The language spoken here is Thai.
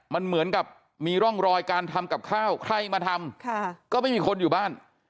มันเหมือนกับมีร่องรอยการทำกับข้าวใครมาทำก็ไม่มีคนอยู่บ้าน